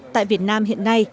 tại việt nam hiện nay